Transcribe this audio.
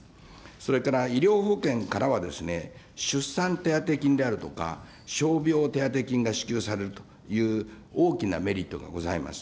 それから医療保険からは、出産手当金であるとか、傷病手当金が支給されるという大きなメリットがございます。